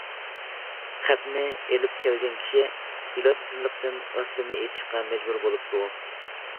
خەتنى ئېلىپ كەلگەن كىشى ئىلاجسىزلىقتىن راستىنى ئېيتىشقا مەجبۇر بولۇپتۇ.